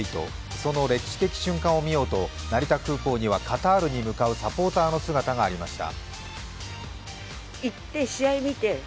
その歴史的瞬間を見ようと成田空港にはカタールに向かうサポーターの姿がありました。